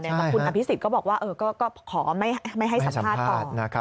แต่คุณอภิษฎก็บอกว่าก็ขอไม่ให้สัมภาษณ์ต่อ